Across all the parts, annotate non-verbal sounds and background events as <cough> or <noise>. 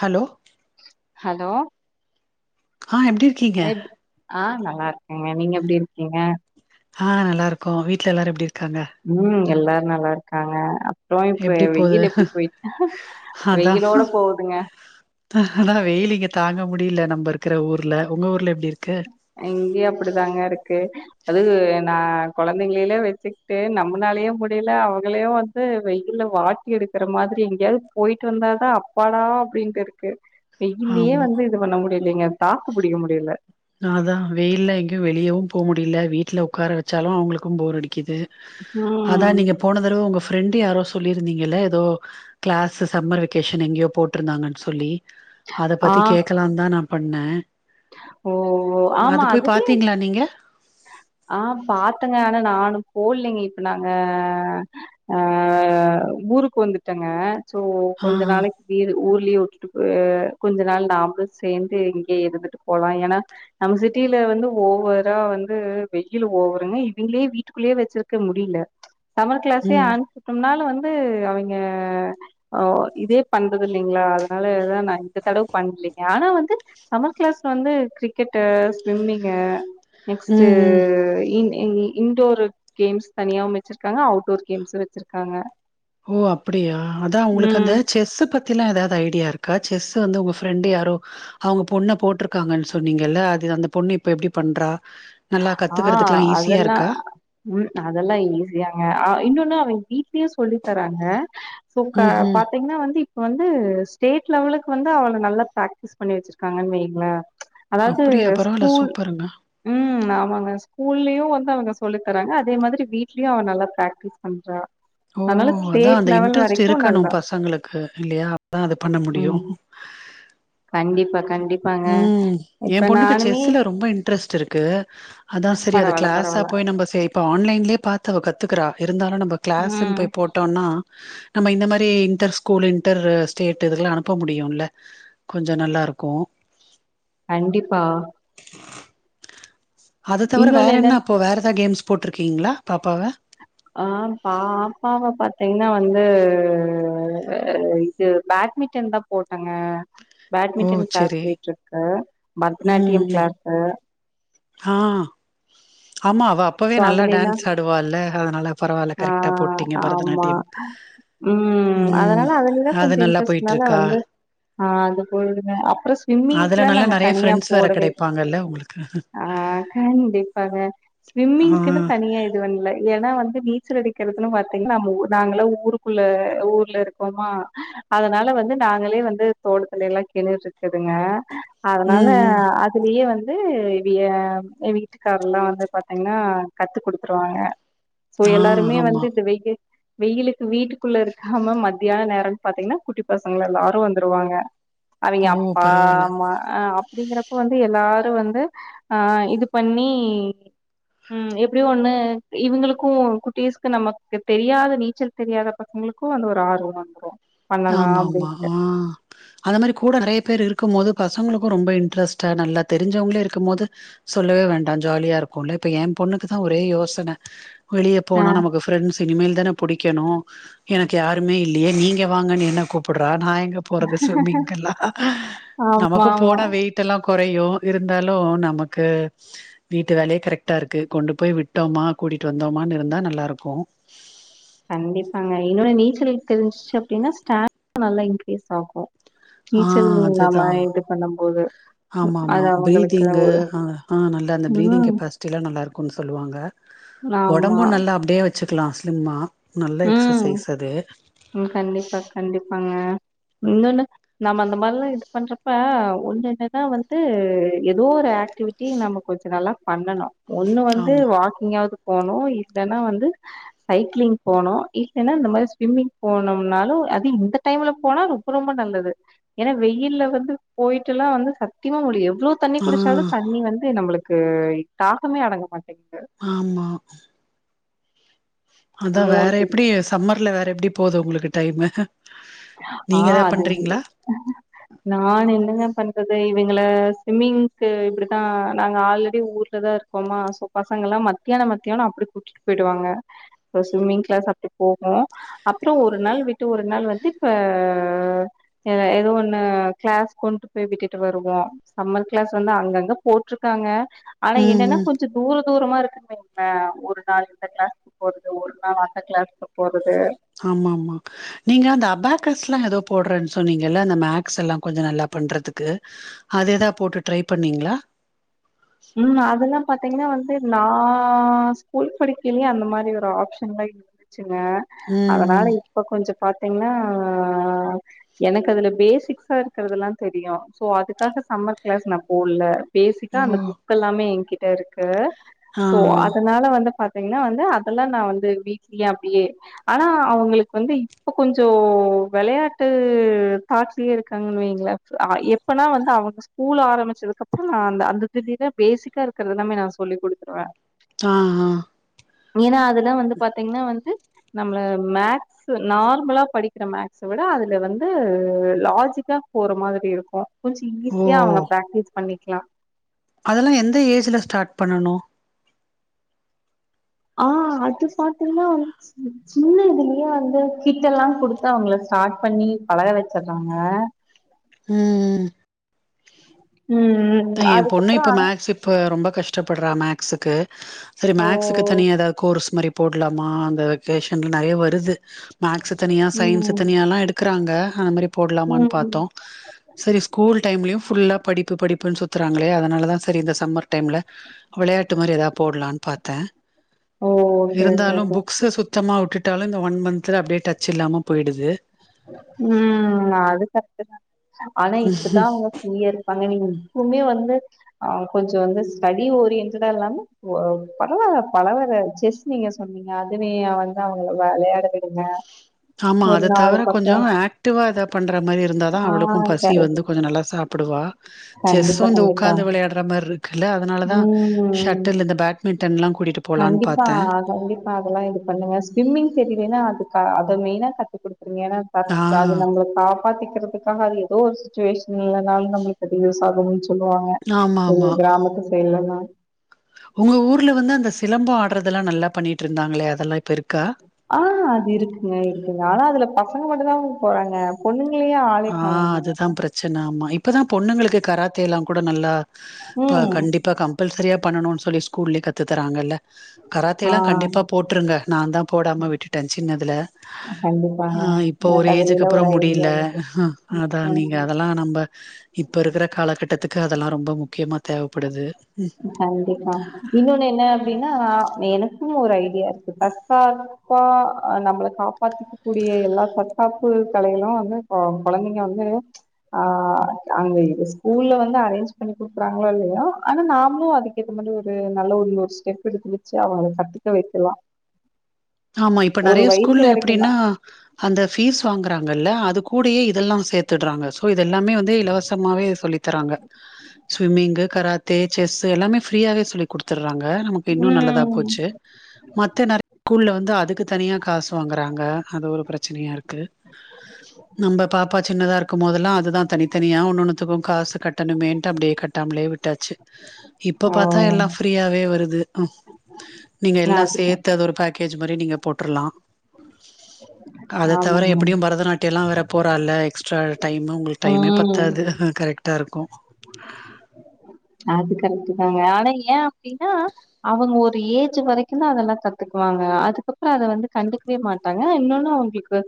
Hello hello ஆ எப்டி இருக்கீங்க எப் ஆ நல்லா இருக்கேங்க நீங்க எப்டி இருக்கீங்க ஹா நல்லாருக்கோ வீட்ல எல்லாரு எப்டி இருக்காங்க உம் எல்லாரு நல்லாருக்காங்க ப்றோ இப் எப்டி போது வெயில்ல எப்டி போயிட் அதா வெயிலோட போகுதுங்க வெயில் இங்க தாங்க முடியல நம்ம இருக்குற ஊர்ல உங்க ஊர்ல எப்டி இருக்கு இங்கயே அப்டிதாங்கருக்கு அது நா கொழந்தைங்களிலே வச்சுட்டு நம்னாலே முடியல அவங்களையு வந் இப்ப வெயில்ல வாட்டி எடுக்குற மாத்ரி எங்கயாவ்து போயிட்டு வந்தாதா அப்பாடா அபடின்ட்டு இருக்கு வெயில்லயே ஆமா வந்து இது பண்ண முடியலீங்க தாக்கு புடிக்க முடியல நா தா வெயில்ல எங்கேயு வெளியவு போ முடியல வீட்ல உக்கார வெச்சாலு அவுங்களுக்கு போர் அடிக்குது அதா ம் நீங்க போன தடவ உங்க ஃப்ரெண்டு யாரோ சொல்லியிருந்தீங்கல்ல எதோ க்ளாஸ்ஸீ சம்மர் வெகேஷன் எங்கேயோ போட்ருந்தாங்கன்னு சொல்லி அத ஆ பத்தி கேக்கலாந்தா நா பண்ணே ஓ ஓ அது போய் பாத்தீங்களா நீங்க ஆ பாத்தேங்க ஆனா நானு போட்லைங்க இப்ப நாங்க அ ஊருக்கு வந்துட்டேங்க சோ ஆ கொஞ்சோ நாளைக் ஏது ஊர்லயே வுட்டுட்டு போ கொஞ்ச நாள் நாமளும் சேந்து இங்கயே இருந்துட்டு போலா ஏன்னா நம்ம சிட்டியில வந்து ஓவரா வந் து வெய்யிலு ஓவருங்க இவுங்களே வீட்டுக்குள்ளேயே வச்சிருக்க முடியல சமர் க்ளாஸே ம் ஆன் கஷ்டம்னாலு வந்து அவிங்கே ஓ இதே பண்றது இல்லைங்களா அத்னால தா இந்த தடவ பண்லைங்க ஆனா வந்து சம்மர் க்ளாஸ்ல வந்து கிரிக்கெட்டு ஸ்விம்மிங்கு நெக்ஸ்ட்டு ம் ம் ஈங் ங்கு இன்டோர் கேம்ஸ் தனியாவும் வெச்சிருக்காங்க அவுட்டோர் கேம்ஸ் வச்சிருக்காங்க ஓ அப்டியா அதா ஒங்களுக்கு அந்த ம் செஸ் பத் பத்திலா ஏதாவ்து ஐடியா இருக்கா செஸ்ஸு வந்து உங்க ஃப்ரெண்டு் யாரு அவுங்க பொண்ண போட்ருக்காங்கன்னு சொன்னீங்கல்ல அது அந்த பொண்ணு இப்ப எப்டி பண்றா நல்லா ஆ கத்துக்கிறதுக்கெலா ஈஸியா அதெல்லா இருக்கா ம் அதெல்லா ஈஸியாங்க அ இன்னொன்னு அவே வீட்லயே சொல்லி தர்றாங்க சோங்கா பாத் ம்ஹ்ம். பாத்தீங்கன்னா வந்து இப்ப வந்து ஸ்டேட் லெவலுக்கு வந்து அவள நல்லா பிராக்டிஸ் பண்ணி வெச்சிருக்காங்கன்னு வெய்ங்ளே அதாவ்து அப்படியா? பரவால்ல ஸ்கூல் சூப்பருங்க. ம் அமங்க ஸ்கூல்லயு வந்து அவுங்க சொல்லி தராங்க அதே மாதிரி வீட்லயு அவ நல்லா பிரக்டிஸ் பண்றா அதனால ஓஹோ அதா ஸ்டேட் அந்த லெவல் இன்ட்ரெஸ்ட் வரைக்கு இருக்கணு நல்லா பசங்களுக்கு இல்லையா <inaudible> அத பண்ண முடியு ம் கண்டிப்பா கண்டிப்பாங்க ம் எ இப்ப பொண்ணுக்கு நானுமே செஸ்ல ரொம்ப இன்ட்ரெஸ்ட்ருக்கு அதா செரி அது பரவால்ல க்ளாஸா பரவால்ல போய் நம்ம சே ப்போ ஆன்லைன்லே பாத்த அவ கத்துகறா இருந்தாலு நம்ம க்ளாஸுன் ம் போய் போட் டோனா நம்ம இந்த மாரி இன்டர் ஸ்கூலு இன்டரு ஸ்டேட்டு இதுலேலா அனுப்ப முடியுல்ல கொஞ்ச நல்லா இருக்கு கண்டிப்பா அத தவிர வேற இன்னொன்னு என்ன என்னன் அப்போ வேற எதாவ் கேம்ஸ் போட்ருக்கீங்ளா பாப்பாவ ஆ பாப்பாவ பாத்தீங்கன்னா வந்து இது பேட்மிண்டன் தா போட்டங்க ஓ பேட்மிண்டன் க்ளாஸ் சரி போயிட்ருக்கு ம் பரதநாட்டியம் ம் க்ளாஸ்சு ஆ ஆமா அவ அப்பவே சோ நல்லா அதுலேல்லாம் டான்ஸ் ஆடுவால்ல அதனால பரவால்ல ஆ கரெக்டா போட்டீங்க ஆமா. பரதநாட்டியம் ம் அதனால அதுலிலா அது கொஞ்ச நல்லா போயிட்டு இன்ட்ரெஸ்ட்னால இருக்கா வந்து ஆ அதுபோதுங்க அப்புற அதுல ஸ்விம்மிங்க்லா நல்லா நாங்க நெறைய தனியா ஃப்ரெண்ட்ஸ் வேற போடவேல்ல கிடைப்பாங்கல்ல உங்களுக்கு ஆ கண்டிப்பாங்க ஆ ஸ்விம்மிங்குனு தனியா இது பண்ல ஏனா வந்து நீச்சல் அடிக்கிறதுன்னு பாத்தீங்கன்னா நம்ம ஊ நாங்கள்லா ஊருக்குள்ள ஊர்ல இருக்கோமா அதனால வந்து நாங்களே வந்து தோடத்திலலா கிணறு இருக்குதுங்க அதனால ம் ம் அதுலயே வந்து இவிய எ வீட்டுக்காரெல்லா வந்து பாத் கன்னா கத்து குடுத்துருவாங்க சோ ஆ எல்லாருமே ஆமா வந்து இந்த வெயில் வெயிலுக்கு வீட்டுக்குள்ள இருக்காம மத்தியான நேரம் பாத்தீங்ன்னா குட்டி பசங்க எல்லாரு வந்துருவாங்க அவிங்க ஓ அப்பா பரவால்ல அம்மா அ அப்டிங்கறப் ப வந்து எல்லாரு வந்து ஆ இது பண்ணி ம் எப்டியு ஒண்ணு இவுங்களுக்கு குட்டீஸ்க்கு நமக்கு தெரியாத நீச்சல் தெரியாத பசங்களுக்கு அந்த ஒரு ஆர்வோ வந்துரு ஆமாமா ஆ அத மாரி கூட நெறைய பேர் இருக்கும் போது பசங்களுக்கு ரொம்ப இன்ட்ரெஸ்ட்டா நல்லா தெரிஞ்சவங்களே இருக்கும் போது சொல்லவே வேண்டா ஜாலியா இருக்குல்ல இப்ப எ பொண்ணுக்குதா ஒரே யோசன வெளிய போனா ஆமா நமக்கு ஃப்ரெண்ட்ஸ் இனிமேல் தான புடிக்கணு எனக்கு யாருமே இல்லியே நீங் இங்க வாங்கன் என்ன கூப்புட்ற நா எங்க போறது ஸ்விமிங்க்கெல்லா நமக்கு ஆமா போன வெய் டெல்லா கொறையு இருந்தாலு நமக்கு வீட்டு வேலயே கரெக்டா இருக்கு கொண்டு போய் விட்டோமா கூட்டிட்டு வந்தோமனு இருந்தா நல்லா இருக்கு கண்டிப்பாங்க என்னோட நீச்சலிங் தெரிஞ்சிச்சு அப்டின்னா ஸ்டா <inaudible> னா நல்லா இன்க்ரீஸ் ஆகு ஆ நீச்சல் நாம இது பண்ணும் போது ஆமா ஆமா பீரித்ங்கு ஆ ஆ நல்லா அந்த பீரிதிங் ம் கெப்பாசிட்டி எல்லா நல்லா இருக்குன் சொல்லுவாங்க ஆமா ஒடம்பு நல்லா அப்டியே வெச்சுக்கலா ஸ்லிம்மா நல்லா ம் எக்சசைஸ் அது ம் கண்டிப்பா கண்டிப்பாங்க இன்னொன்னு நம்ம அந்த மாரில்லா இது பண்றப்ப ஒன்னொன்னுதா வந்து எதோ ஒரு ஆக்டிவிட் டி நம்ம கொஞ்ச நல்லா பண்ணனு ஒண்ணு வந்து ஆமா வாக்கிங்காவ்து போணு இல்லன்னா வந்து சைக்ளிங் போணு இல்லன்னா இந்த மாரி ஸ்விம்மிங் போனம்னாலு அது இந்த டைம்ல போனா ரொம்ப ரொம்ப நல்லது ஏனா வெயில்ல வந்து போயிட்டுல்லா வந்து சத்தியமா முடிய எவ்ளோ தண்ணி ஆ குடிச்சாலு தண்ணி வந்து நம்பளுக்கு தாகமே அடங்க மாட்டேங்கு ஆமா அதா மோர் வேற குடி எப்டி சம்மர்ல வேற எப்டி போது உங்களுக்கு டைமு ஆ நீங்க ஏதா அது பண்றீங்களா நான் என்னங்க பண்றது இவங்கள ஸ்விம்மிங்க்கு இப்டிதா நாங்க ஆல்ரெடி ஊர்ல தா இருக்கோ அப்பமா சோ பசங்கல்லா மத்தியானோ மத்தியானோ அப்டி கூட்டிட்டு போயிடுவாங்க ஸ்விம்மிங் கிளாஸ் அப்டி போகு அப்புறோ ஒரு நாள் விட்டு ஒரு நாள் வந்து அ ஏதோ ஒண்ணு கிளாஸ் கொண்டு போய் விட்டுட்டு வருவோ சம்மர் கிளாஸ் வந்து அங்கங்க போட்டிருக்காங்க ஆனா ம் என்னன்னா ம் கொஞ்ச தூர தூரமா இருக்கு மீ ஒரு நாள் எந்த கிளாஸ்கு்க்கு போறது ஒரு நாள் அந்த கிளாஸ்கு போரது ஆமா ஆமா நீங்க அந்த அபாக்கஸ்ல்லா ஏதோ போடுறன்னு சொன்னீங்கல்ல அந்த மேக்ஸ் எல்லா கொஞ்ச நல்லா பண்றதுக்கு அதேதா போட்டு ட்ரை பண்ணீங்களா ம் அதெல்லாம் பாரத்தீங்கன்னா வந்து நா ஸ்கூல் படிக்கிலயே அந்த மாதிரி ஒரு ஆப்ஷன்லய் இரு ச்சுங்க அதனால ம் இப்ப கொஞ்சம் பாத்தீங்கன்னா எனக்கு அதுல பேசிக்ஸா இருக்கறதுெல்லா தெரியு சோ அதுக்காக சம்மர் கிளாஸ் நா போல பேசிக்கா ம் அந்த ஓ புக் எல்லாமே என்கிட்ட இருக்கு ஆ சோ அதனால வந்து பார்த் அத்தீங்கன்னா வந்து அதெல்லா நா வந்து வீக்ஸ்லி அப்டியே ஆனா அவங்களுக்கு வந்து இப்ப கொஞ்சம் வளையாட்டு தாட்ஸ்லயே இருக்காங்கன்னு வைங்களே ஆ எப்பனா வந்து அவங்க ஸ்கூல் ஆரம்பிச்சதுக்குப்புறோ நா அந்த அந்த தேதிதா பேசிக்கா இருக்கறது எல்லாமே நா சொல்லி் கொடுத்துருவே ஆ ஹா ஏன்னா அதுலா வந்து பாத்தீங்கன்னா வந்து நம்மள மேக்ஸ் ஸ் நார்மலா படிக்கிற மேக்ஸ விட அதுல வந்து லாஜிக்கா போற மாதிரி இருக்கு கொஞ்ச ஓ ஈஸியா அவங்க பிராக்டிஸ் பண்ணிக்கலா அதெல்லா எந்த ஏஜ்ல ஸ்டார்ட் பண்ணனு ஆ அது பாத்திங்ன்னா வந்து சின்ன இதுலயே வந்து கிட் எல்லா குடுத்து அவங்கள ஸ்டார்ட் பண்ணி பழக வச்சறாங்க ம் ம் தா எம் பொண்ணு அதுக்கப்புற இப்ப ஆனா மேக்சுப் இப்ப ரொம்ப கஷ்டப்படுறா மேக்ஸுக்கு சரி ஓ மேக்ஸுக்கு தனியா ஏதா கோர்ஸ் மாதிரி போடலாமா அந்த வெக்கேஷன்ல நறைய வருது மேக்ஸு தனியா சயின்ஸு ம் தனியால்லா எடுக்கிறாங்க அந்த மாதிரி போடலாமான்னு ம் பார்த்தோ சரி ஸ்கூல் டைம்லயு ஃபுல்லா படிப்பு படிப்பு அப்டின்னு சுத்துறாங்களே அதனால தா சரி இந்த சம்மர் டைம்ல விளையாட்டு மாதிரி எதா போடலாம்னு பார்த்தே ஓ ஓகே ஓகே இருந்தாலு ஓகே புக்ஸ் சுத்தமா விட்டுட்டாலு இந்த ஒன் மந்த்து அப்டியே டச் இல்லாம போயிடுது ம் நா அதுகாகதா ஆனா இப்பதா அவங்க ய இருப்பாங்க நீங்க எப்பவுமே வந்து அ கொஞ்சம் வந்து ஸ்டடி ஓரியன்டடா இல்லாம ஓ பலவர பலவர செஸ் நீங்க சொன்னீங்க அதுனேய வந்து அவங்கள வளையாட விடுங்க ஆமா ஒரு அத நாலு தவர கொஞ் பக்கோ ஞ்சோ ஆக்டிவா எதா பண்ற மாதிரி இருந்தா தா ஆ அவளுக்கு பசி கரெக்ட் வந்து கொஞ்சோ நல்லா சாப்பிடுவா செஸ் கண்டிப்பா வந்து கண்டிப்பா ஊக்காந்து வெளையா ட்ற மாரி இருக்குல்ல அதனாலதான் ம் ஷட்டில் இந்த பேட்மிண்டன்ல்லா கூட்டிட்டு போலான்னு கண்டிப்பா பாத்தே கண்டிப்பா அதெல்லா இது பண்ணுங்க ஸ்விம்மிங் தெரியலேன்னா அது அத மெயினா கத்துக்குடு எனா ஆ சத் அது நம்பளக் காப்பாத்திக்கிறதுக்காக அயே தோ ஒரு சுச்சுவேஷன்னில்லனாலு நம்புளுக்கு அது யூஸ் ஆகும்ச்சு சொல்லுவாங்க ஆமா எ ஆமா கிராமத்து சைல்லலா உங்க ஊர்ல வந்து அந்த சிலம்போ ஆட்றதெல்லா நல்லாப் பண்ணிட்ருந்தாங்ளே அதெல்லா இப்ப இருக்கா ஆ அது இருக்குங்க இருக்குங்க ஆனா அதுலப் பசங்க மட்டுந்தாம் போறாங்க பொண்ணுங்ளுயு ஆ ஆ அதுதாம் பிரச்சன ஆமா இப்பதாப் பொண்ணுங்களுக்கு கராத்தே எல்லாங் கூட நல்லா இப்ப ம். கண்டிப்பா கம்பல்சரியா பண்ணனுன் சொல்லி ஸ்கூல்லியே கத்து தறாங்கல்ல ஆ கராத்தேலாங் கண்டிப்பா போட்ருங்க நாந்தா போடாம விட்டுட்டே சின்னதுல கண்டிப்பாங்க. ஆ இப்போ ஒரு எனக்கு அதுலல்லா ஒரு ஏஜுகுகப்புறோம் ஐடியா முடியில இருக்கு. அதா நீங்க அத லா நம்ப இப்ப இருகற காலகட்டத்துக்கு அதெல்லா ரொம்ப முக்கியமாத் தேவப்படுது கண்டிப்பா இன்னொனு என்ன அப்டினா எனக்கும் ஒரு ஐடியாருக்கு தக்கா ப்பா அ நம்பளக் காப்பாத்திக்கக்கூடிய எல்லா தற்காப்பு கலைகளு வந்து இப்போ கொழந்தைங்க வந்து ஆ அங்க இது ஸ்கூல்ல வந்து அரேஞ்ச் பண்ணி குடுக்றாங்ளோ இல்லையோ ஆனா நா னு அதுக்கு ஏத்த மாரி ஒரு நல்ல ஒரு ஒரு ஸ்டெப் எடுத்துச்சு அவங்க கத்துக்க வெக்கலா ஆமா இப்ப நெறைய ஸ்கூல்ல வரைக்கும் எப்டினா தான். அந்த ஃபீஸ் வாங்கறாங்கல்ல அதுக் கூடியே இது எல்லா சேத்துட்றாங்க சோ இது எல்லாமே வந்து இலவசமாவே சொல்லித் தராங்க ஸ்விம்மிங்கு கராத்தே செஸ்சு எல்லாமே ஃரீயாவே சொல்லித் குடுத்துர்றாங்க நமக்கு இன்னு நல்லதாப் ம். போச்சு மத்த நெற கூல்ல வந்து அதுக்கு தனியா காசு வாங்கறாங்க அது ஒரு பிரச்சனையாருக்கு நம்ப பாப்பா சின்னதா இருக்கும் மோதெல்லா அதுதா தனித்தனியா ஒன்னொன்னுத்துக்கு காசு கட்டணுமேன்ட்டு அப்டியேக் கட்டாம்லே விட்டாச்சு இப்ப ஆ பாத்தா எல்லா ஃப்ரீயாவே வருது அ நீங்க எல்லா அதுதா சேத்து அது ஒரு கேஜூ மாரியே நீங்க போட்ரலா அதத் தவர ஆமாங்க எப்புடியும் பரதநாட்டியல்லா வேறப் போறா இல்ல எக்ஸ்ட்ரா டைமு உங்குள் டைமே ம் பத்தாது கரெக்ட்டா இருக்கு அது கரெக்ட்டுதாங்க ஆனா ஏ அப்டினா அவுங்க ஒரு ஏஜூ வரைக்குந்தா அதெல்லா கத்துக்வாங்க அதுக்கப்றோ அத வந்து கண்டுக்வே மாட் ட்டாங்க இன்னொன்னு அவுங்ளுக்கு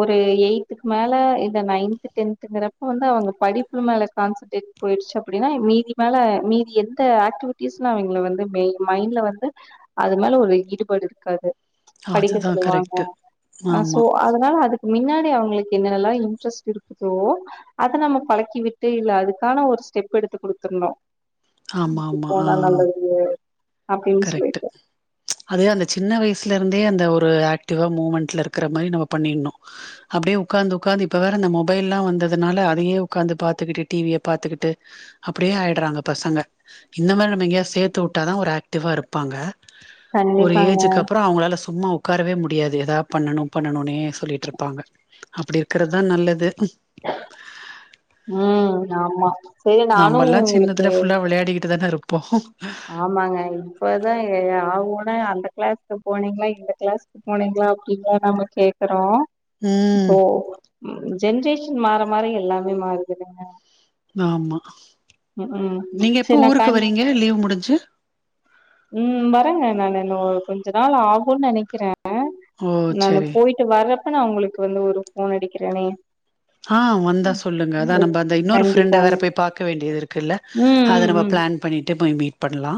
ஒரு எயித்துக் மேல இத நைன்த்து டென்த் ட்டுங்கிறப்ப வந்து அவுங்க படிப்புல மேல கான்சன்ட்ரேட் போயிடுச்சு அப்டினா மீதி மேல மீதி எந்த ஆக்டிவிட் ட்டீஸ்லா அவிங்ள வந்து மெய் மைண்ட்ல வந்து அது மேல ஒரு ஈடுபாடு இருக்காது படிக்க அதுதான் சொல்லுவாங்க கரெக்ட்டு அ சோ ஆமா அதனால அதுக் கு மின்னாடி அவுங்ளுக்கு என்னனெல்லா இன்ட்ரெஸ்ட் இருக்குத் சோ அத நம்ம பழக்கி விட்டு இல்ல அதுக்கான ஒரு ஸ்டெப் எடுத்து குடுத்துர்னு ஆமா இது ஆமா ஆ போனா நல்லது அப்டின் கரெக்ட் சொல்லிட்டு அது அந்த சின்ன வயசுல இருந்தே அந்த ஒரு ஆக்டிவா மூமெண்ட்ல இருக்கிற மாரி நம்ம பண்ணிடணு அப்டியே உக்காந்து உக்காந்து இப்ப வேற அந்த மொபைல்லா வந்ததனால அதையே உக்காந்து பாத்துகிட்டு டி வியப் பாத்துகிட்டு அப்டியே ஆயிட்றாங்க பசங்க இந்த மாரி நம்ம எங்கியா சேத்து வுட்டாதா ஒரு ஆக் டிவா இருப்பாங்க ஒரு கண்டிப்பாங்க ஏஜுக்குப்றோ அவுங்களால சும்மா உக் உக்காரவே முடியாது எதாப் பண்ணணு பண்ணணுனே சொல்லிட்ருப்பாங்க அப்டி இருக்கறதுதா நல்லது ம் ஆமா செரி நானு நம்பல்லா உங்களுக்கு சின்னதுல ஃபுல்லா விளையாகிடிட்டுதானே இருப்போ ஆமாங்க இப்பதா எ ஆ ஊனா அந்த கிளாசுக்கு போனீங்ளா இல்ல இந்த கிளாச் போனிங்லா அப்டிதா நம்ம கேக்கறோ ம் தோ ம் ஜென்ரேஷன் மாற மாற எல்லாமே மாறுதுல்லங்க ஆமா ம் ம் நீங்க செரி எப்போ நா ஊருக்கு கண் வரீங்க லீவ் முடிஞ்சு ம் வரேங்க நா என்ன கொஞ்ச நாள் ஆகும்ன்னு நினைக்கிறே ஓ ந செரி போயிட் டு வர்றப்ப நா உங்களுக்கு வந்து ஒரு ஃபோன் அடிக்கிறேனே ஆ வந்தா சொல்லுங்க அதா நம்ம அந்த இன்னொரு ஃப்ரெண்ட கண்டிப்பாங்க வேற போய் பாக்க வேண்டியது இருக்குல்ல ம் அத நம்ம ம் பிளான் பண்ணிட்டு போய் மீட் பண்ணலா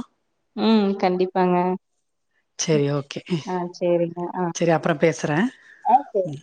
ம் கண்டிப்பாங்க சேரி ஓகே ஆ சேரிங்க ஆ சேரி அப்புறோ பேசறே ஆ சேரி ம்